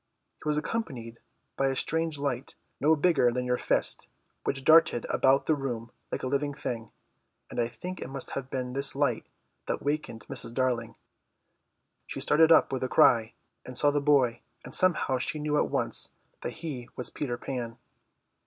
He was accompanied by a strange light, no bigger than your fist, which darted about the room like a living thing and I think it must have been this light that wakened Mrs. Darling. She started up with a cry, and saw the boy, and somehow she knew at once that he was Peter Pan.